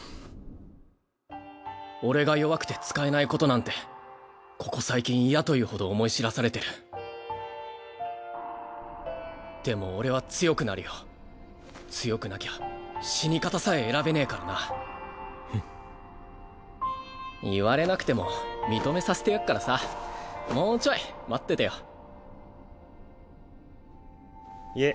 俺が弱くて使えないことなんてここ最近嫌というほど思い知らされてるでも俺は強くなるよ強くなきゃ死に方さえ選べねぇからなふっ言われなくても認めさせてやっからさもうちょい待っててよいえ